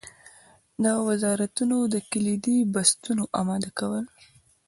د وزارتونو د کلیدي بستونو اماده کول.